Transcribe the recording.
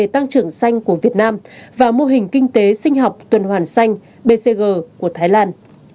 tăng trưởng xanh của việt nam và mô hình kinh tế sinh học tuần hoàn xanh bcg của thái lan